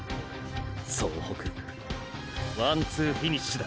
総北ワンツーフィニッシュだ！！